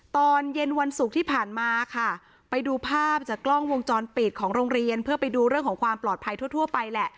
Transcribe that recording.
ตอนเย็นวันศุกร์ที่ผ่านมาค่ะไปดูภาพจากกล้องวงจรปิดของโรงเรียนเพื่อไปดูเรื่องของความปลอดภัยทั่วไปแหละ